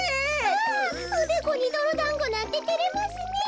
ああおでこにどろだんごなんててれますねえ。